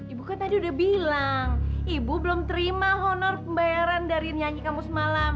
ibu kan tadi udah bilang ibu belum terima honor pembayaran dari nyanyi kamu semalam